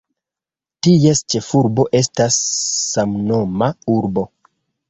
Ties ĉefurbo estas samnoma urbo.